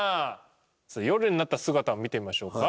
夜になった姿を見てみましょうか。